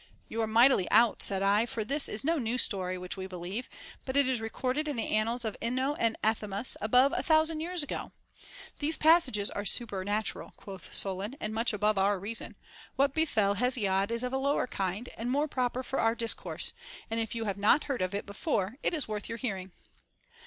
You are mightily out, said I, for this is no new story which Ave believe, but it is recorded in the annals of Ino and Athamas above a thousand years ago. These passages are supernatural, quoth Solon, and much above our reason ; what befell Hesiod is of a lower kind, and more proper for our discourse, and if you have not heard of it before, it is worth your hearing.